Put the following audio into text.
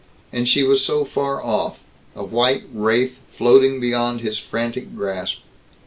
And she was so far off, a white wraith floating beyond his frantic grasp.